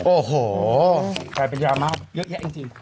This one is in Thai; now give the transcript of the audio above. โอ้โหใครเป็นยามากเยอะแยะจริงจริง